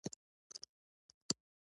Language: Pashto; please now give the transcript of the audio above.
ما ورته وویل: شکر دی جوړ او روغ یم، پلاره.